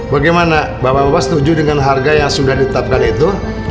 bagaimana bapak bapak setuju dengan harga yang sudah ditetapkan itu